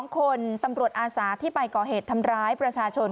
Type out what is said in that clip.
๒คนตำรวจอาสาที่ไปก่อเหตุทำร้ายประชาชน